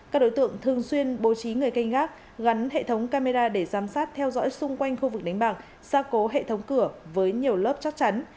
các đối tượng thường xuyên bố trí người canh gác gắn hệ thống camera để giám sát theo dõi xung quanh khu vực đánh bạc gia cố hệ thống cửa với nhiều lớp chắc chắn